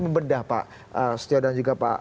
membedah pak setio dan juga pak